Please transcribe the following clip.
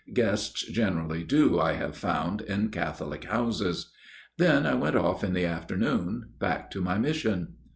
Guests gener ally do, I have found, in Catholic houses. Then I went off in the afternoon back to my mission.